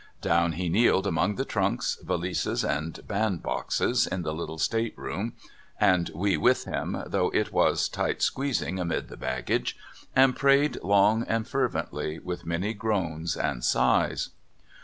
Down he kneeled among the trunks, valises, and bandboxes' in the little stateroom (and we with him, though it was tight squeezing amid the bag gage), and prayed long and fervently, with many groans and sighs.